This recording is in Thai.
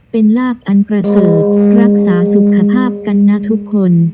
เป็นลาบอันประเสริฐรักษาสุขภาพกันนะทุกคน